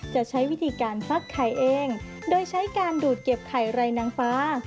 จะใช้วิธีการฟักไข่เองโดยใช้การดูดเก็บไข่ไรนางฟ้า